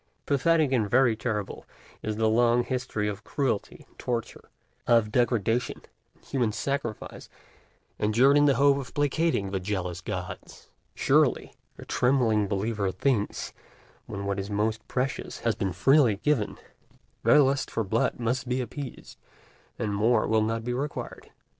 Pathetic and very terrible is the long history of cruelty and torture, of degradation and human sacrifice, endured in the hope of placating the jealous gods: surely, the trembling believer thinks, when what is most precious has been freely given, their lust for blood must be appeased, and more will not be required.